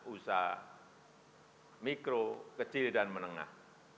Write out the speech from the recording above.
usaha mikro kecil dan menengah